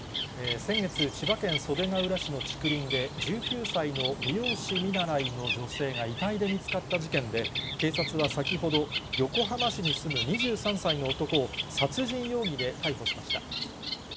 先月、千葉県袖ケ浦市の竹林で、１９歳の美容師見習いの女性が遺体で見つかった事件で、警察は先ほど横浜市に住む２３歳の男を、殺人容疑で逮捕しました。